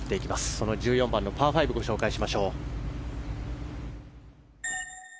その１４番のパー５をご紹介します。